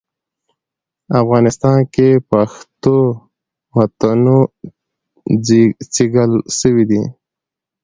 افغانستان کي پښتو متونو څېړل سوي دي.